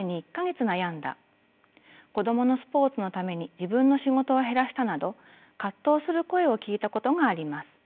「子どものスポーツのために自分の仕事を減らした」など葛藤する声を聞いたことがあります。